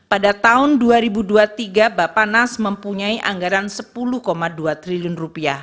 pada tahun dua ribu dua puluh tiga bapak nas mempunyai anggaran rp sepuluh dua triliun